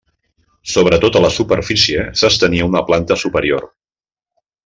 Sobre tota la superfície s'estenia una planta superior.